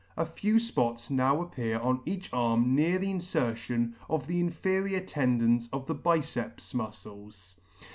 — A few fpots now appear on each arm near the infertion of the inferior tendons of the biceps mufcles.